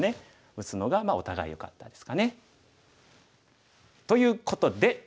打つのがお互いよかったですかね。ということで。